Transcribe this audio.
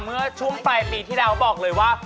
เมื่อช่วงปลายปีที่แล้วบอกเลยว่า